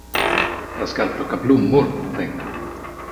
Jag skall plocka blommor, tänkte han.